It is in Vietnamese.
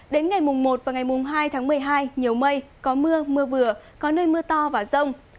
đến ngày mùng một và ngày mùng hai tháng một mươi hai nhiều mây có mưa mưa vừa có nơi mưa to và rông